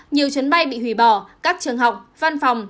nhiều chuyến bay bị hủy bỏ các trường học văn phòng